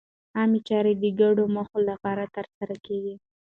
عامه چارې د ګډو موخو لپاره ترسره کېږي.